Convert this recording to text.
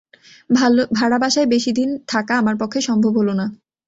ভাড়াবাসায় বেশিদিন থাকা আমার পক্ষে সম্ভব হল না।